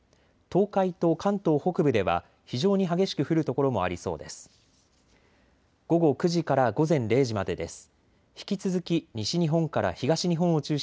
東海と関東北部では非常に激しく降る所もありそうです。